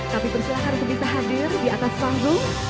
kami persilahkan untuk bisa hadir di atas panggung